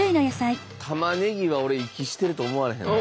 たまねぎは俺息してると思われへんわ。